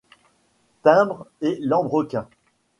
Timbre et lambrequins.